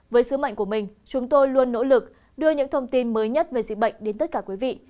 với sứ mệnh của mình chúng tôi luôn nỗ lực đưa những thông tin mới nhất về dịch bệnh đến tất cả quý vị